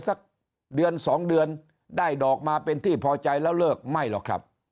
สักเดือนสองเดือนได้ดอกมาเป็นที่พอใจแล้วเลิกไม่หรอกครับ